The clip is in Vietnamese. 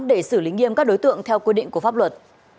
để xử lý nghiêm các đối tượng theo quy định của pháp luật